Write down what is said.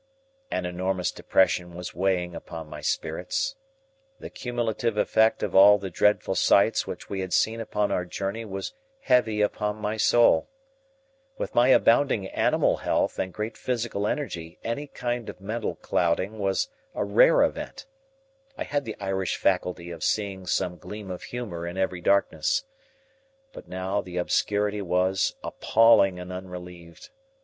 An enormous depression was weighing upon my spirits. The cumulative effect of all the dreadful sights which we had seen upon our journey was heavy upon my soul. With my abounding animal health and great physical energy any kind of mental clouding was a rare event. I had the Irish faculty of seeing some gleam of humor in every darkness. But now the obscurity was appalling and unrelieved.